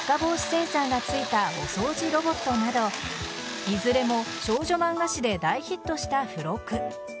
センサーがついたお掃除ロボットなどいずれも少女漫画誌で大ヒットした付録。